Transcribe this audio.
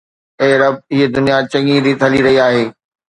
اي رب، هي دنيا چڱي ريت هلي رهي آهي